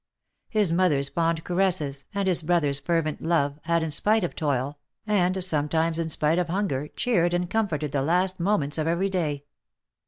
His mother's fond caresses, and his brother's fervent love, had in spite of toil, and sometimes in spite of hunger, cheered and comforted the last moments of every day.